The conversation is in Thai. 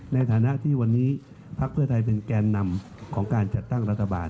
ในฐานะที่วันนี้พักเพื่อไทยเป็นแกนนำของการจัดตั้งรัฐบาล